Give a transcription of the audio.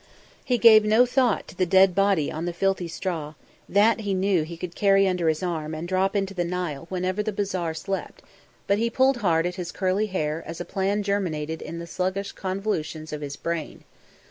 He gave no thought to the dead body on the filthy straw; that he knew he could carry under his arm and drop into the Nile when the bazaar slept; but he pulled hard at his curly hair as a plan germinated in the sluggish convolutions of his brain.